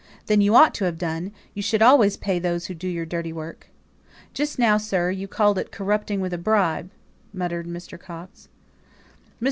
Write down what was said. "Then you ought to have done. You should always pay those who do your dirty work." "Just now, sir, you called it corrupting with a bribe," muttered Mr. Coxe. Mr.